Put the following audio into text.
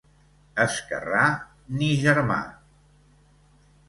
Esquerrà, ni germà.